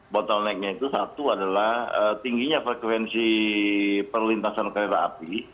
bottlenecknya itu satu adalah tingginya frekuensi perlintasan kereta api